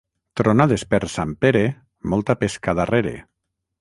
Tronades per Sant Pere, molta pesca darrere.